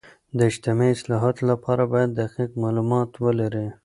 د اجتماعي اصلاحاتو لپاره باید دقیق معلومات ولري.